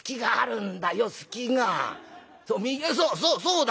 そうそうそうだ。